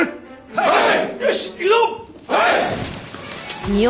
はい！